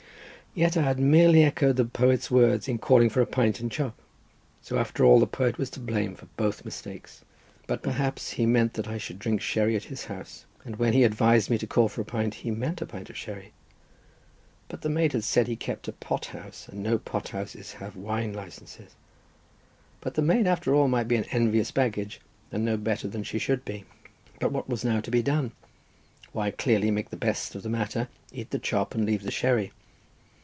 Yet I had merely echoed the poet's words in calling for a pint and chop, so after all the poet was to blame for both mistakes. But perhaps he meant that I should drink sherry at his house, and when he advised me to call for a pint, he meant a pint of sherry. But the maid had said he kept a pot house, and no pot houses have wine licences; but the maid after all might be an envious baggage, and no better than she should be. But what was now to be done? Why, clearly make the best of the matter, eat the chop and leave the sherry.